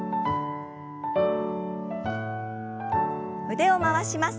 腕を回します。